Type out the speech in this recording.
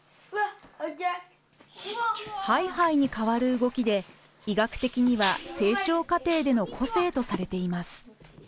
ハイハイに代わる動きで医学的には成長過程での個性とされています。